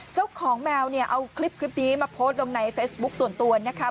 เจ้าของแมวเนี่ยเอาคลิปนี้มาโพสต์ลงในเฟซบุ๊คส่วนตัวนะคะ